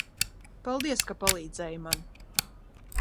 Paldies, ka palīdzēji man!